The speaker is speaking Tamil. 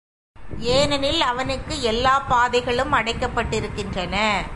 ஏனெனில் அவனுக்கு எல்லாப் பாதைகளும் அடைக்கப்பட்டிருக்கின்றன.